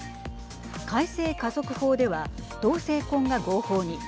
改正家族法では同性婚が合法に。